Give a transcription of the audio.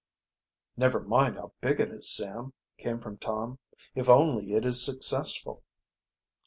"Never mind how big it is, Sam," came from Tom, "if only it is successful."